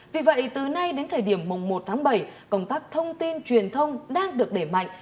vì vậy từ nay đến thời điểm một tháng bảy công tác thông tin truyền thông đang được đẩy mạnh